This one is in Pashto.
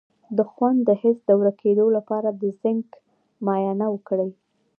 د خوند د حس د ورکیدو لپاره د زنک معاینه وکړئ